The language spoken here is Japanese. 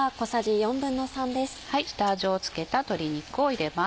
下味を付けた鶏肉を入れます。